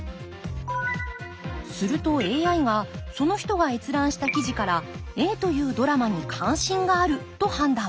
するとＡＩがその人が閲覧した記事からＡというドラマに関心があると判断。